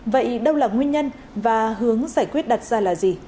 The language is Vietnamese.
vậy đâu là nguyên nhân và hướng giải quyết đặt ra là gì